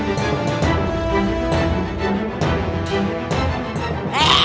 ya tuhan tidak boleh rosie